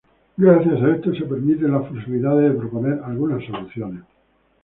Gracias a esto se permiten la posibilidad de proponer algunas soluciones.